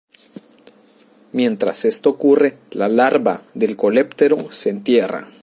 Mientras esto ocurre, la larva del coleóptero se entierra.